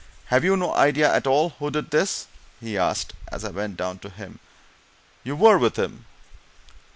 Have you no idea at all who did this?" he asked, as I went down to him. "You were with him?"